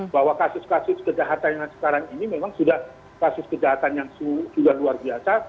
bahwa kasus kasus kejahatan yang sekarang ini memang sudah kasus kejahatan yang sudah luar biasa